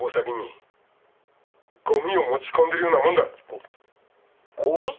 ごっごみ？